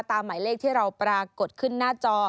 หมายเลขที่เราปรากฏขึ้นหน้าจอ